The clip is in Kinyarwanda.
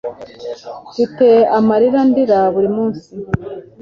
Mfite amarira ndira buri munsi